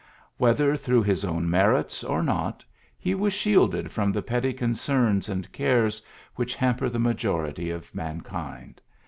Whether through his own merits or not, he was shielded from the petty concerns and cares which hamper the majority of mankind.